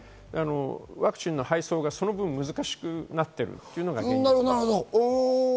ワクチンの配送がその分、難しくなっているというのが現状です。